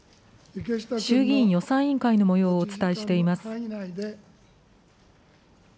衆議院予算委員会のもようをお伝えしています。